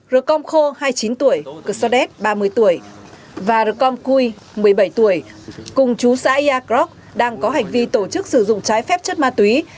rukom kho hai mươi chín tuổi và rukom kui một mươi bảy tuổi cùng chú xã iacroc đang có hành vi tổ chức sử dụng trái phép chất ma túy